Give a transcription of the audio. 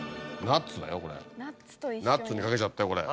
ナッツにかけちゃったよこれ。